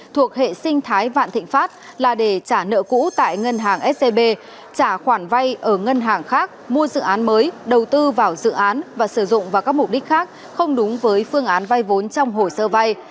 thuộc hệ sinh thái vạn thịnh pháp là để trả nợ cũ tại ngân hàng scb trả khoản vay ở ngân hàng khác mua dự án mới đầu tư vào dự án và sử dụng vào các mục đích khác không đúng với phương án vay vốn trong hồ sơ vay